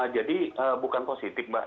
jadi bukan positif mbak